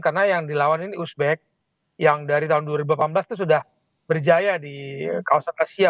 karena yang dilawan ini uzbek yang dari tahun dua ribu delapan belas itu sudah berjaya di kawasan asia